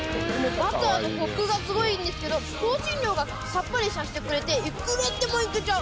バターのコクがすごいんですけど香辛料がさっぱりさせてくれていくらでも行けちゃう。